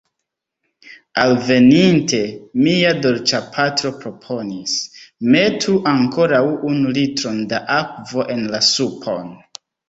Alveninte, mia Dolĉapatro proponis: metu ankoraŭ unu litron da akvo en la supon.